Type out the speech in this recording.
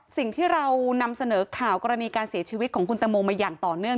สิ่งที่เรานำเสนอข่าวกรณีการเสียชีวิตของคุณตังโมมาอย่างต่อเนื่อง